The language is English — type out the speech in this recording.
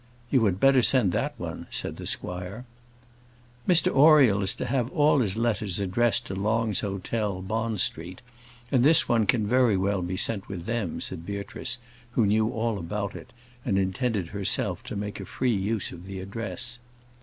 "You had better send that one," said the squire. "Mr Oriel is to have all his letters addressed to Long's Hotel, Bond Street, and this one can very well be sent with them," said Beatrice, who knew all about it, and intended herself to make a free use of the address.